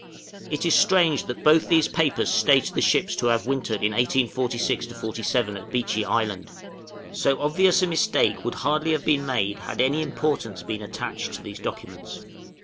} It is strange that both these papers state the ships to have wintered in 1846 7 at Beechey Island! So obvious a mistake would hardly have been made had any importance been attached to these documents.